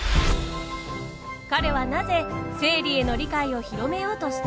彼はなぜ生理への理解を広めようとしているのか。